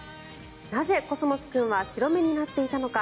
なぜコスモス君は白目になっていたのか。